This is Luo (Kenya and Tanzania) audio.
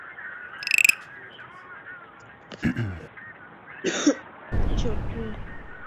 chokruok moro mar ji, kata dongruok moro mar ji, to gi paro mar wach